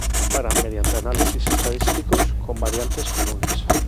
Se comparan mediante análisis estadístico con variantes comunes.